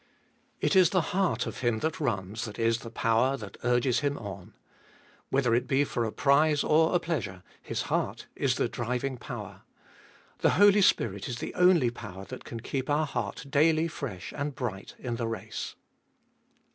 2. It is the heart of him that runs that is the power that urges him on. Whether it be for a prize or a pleasure— his heart is the driving power. The Holy Spirit is the only power that can keep our heart daily fresh and bright in the race.